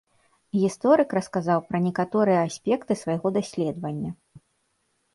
Гісторык расказаў пра некаторыя аспекты свайго даследавання.